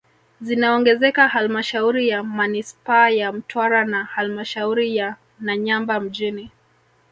Zinaongezeka halmashauri ya manispaa ya Mtwara na halmashauri ya Nanyamba mjini